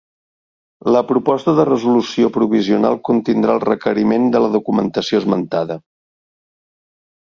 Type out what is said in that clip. La proposta de resolució provisional contindrà el requeriment de la documentació esmentada.